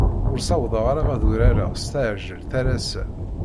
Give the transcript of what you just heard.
Ur ssawḍeɣ ara ad urareɣ s tɛelǧet ar ass-a.